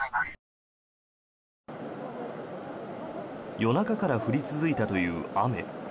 夜中から降り続いたという雨。